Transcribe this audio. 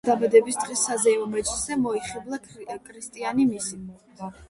სწორედ იზაბელას დაბადების დღის საზეიმო მეჯლისზე მოიხიბლა კრისტიანი მისით.